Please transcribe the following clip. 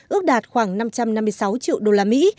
ước đạt khoảng năm trăm năm mươi sáu triệu đô la mỹ